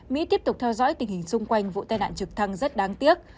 mỹ tiếp tục theo dõi tình hình xung quanh vụ tai nạn trực thăng rất đáng tiếc